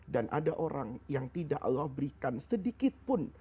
ada orang yang tidak allah berikan sedikitpun